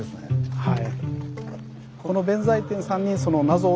はい。